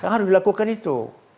harus dilakukan itu